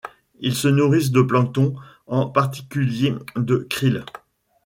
Ils se nourrissent de plancton, en particulier de krill.